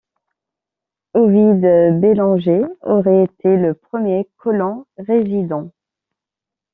Ovide Bélanger aurait été le premier colon résidant.